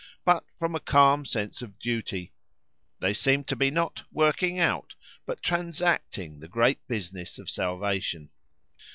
but from a calm sense of duty; they seemed to be not "working out," but transacting the great business of salvation.